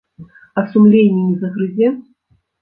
А сумленне не загрызе?